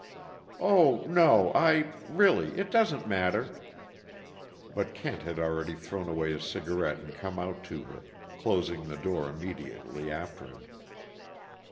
"Oh, no! I really, it doesn't matter " But Kent had already thrown away his cigarette and come out to her, closing the door immediately after him.